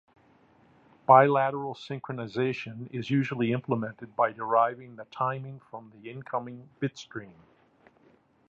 Bilateral synchronization is usually implemented by deriving the timing from the incoming bitstream.